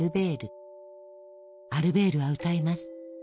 アルベールは歌います。